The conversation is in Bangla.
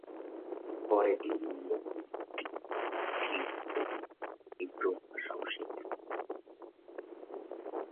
পরে তিনি ইংরেজি, গ্রিক ও হিব্রু ভাষাও শেখেন।